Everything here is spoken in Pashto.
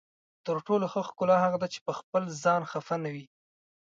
تر ټولو ښه ښکلا هغه ده چې پخپل ځان خفه نه وي.